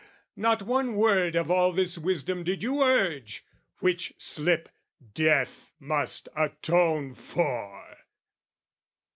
Not one word "'Of all this wisdom did you urge! Which slip "'Death must atone for!"'